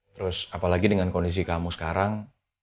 terus apalagi dengan kondisi kamu sekarang